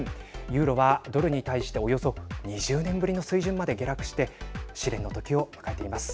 ユーロはドルに対しておよそ２０年ぶりの水準まで下落して試練のときを迎えています。